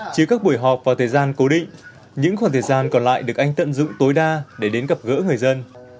chứa các buổi họp vào thời gian cố định những khoảng thời gian còn lại được anh tận dụng tối đa để đến gặp gỡ người dân